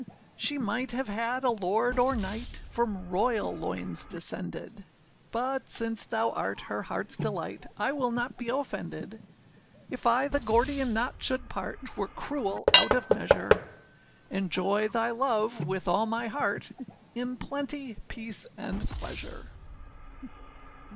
âShe might have had a lord or knight, From royal loins descended; But, since thou art her heartâs delight, I will not be offended; âIf I the gordian knot should part, âTwere cruel out of measure; Enjoy thy love, with all my heart, In plenty, peace, and pleasure.